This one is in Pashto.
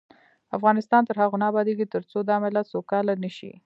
افغانستان تر هغو نه ابادیږي، ترڅو دا ملت سوکاله نشي.